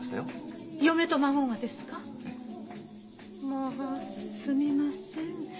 まあすみません。